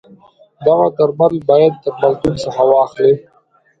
دغه درمل باید درملتون څخه واخلی.